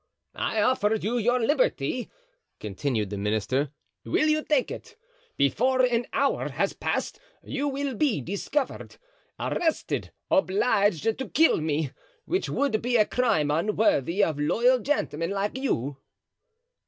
"I offered you your liberty," continued the minister; "will you take it? Before an hour has passed you will be discovered, arrested, obliged to kill me, which would be a crime unworthy of loyal gentlemen like you."